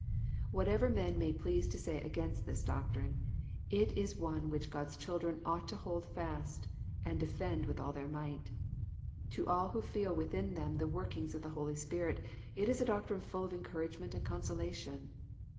Whatever men may please to say against this doctrine, it is one which God's children ought to hold fast, and de fend with all their might. To all who feel within them the workings of the Holy Spirit, it is a doctrine full of encour agement and consolation.